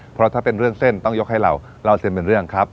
เพราะถ้าเป็นเรื่องเส้นต้องยกให้เราเล่าเส้นเป็นเรื่องครับ